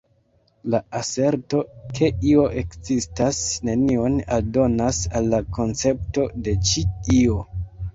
La aserto, ke io ekzistas nenion aldonas al la koncepto de ĉi io.